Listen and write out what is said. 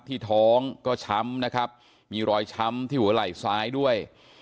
ที่ท้องก็ช้ำนะครับมีรอยช้ำที่หัวไหล่ซ้ายด้วย